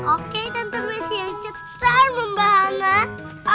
oke tante messi yang citar membahenol